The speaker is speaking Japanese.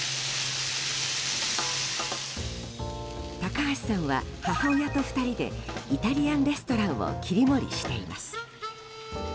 高橋さんは母親と２人でイタリアンレストランを切り盛りしています。